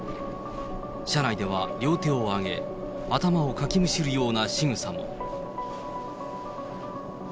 車内では、両手を上げ、頭をかきむしるようなしぐさも。